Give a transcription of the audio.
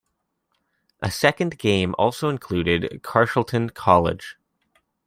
A second game also included Carshalton College.